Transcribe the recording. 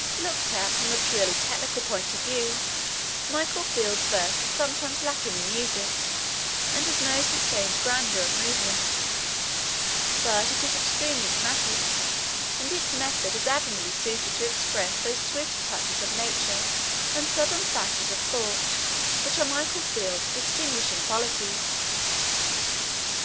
Looked at from a purely technical point of view, Michael Field's verse is sometimes lacking in music, and has no sustained grandeur of movement; but it is extremely dramatic, and its method is admirably suited to express those swift touches of nature and sudden flashes of thought which are Michael Field's distinguishing qualities.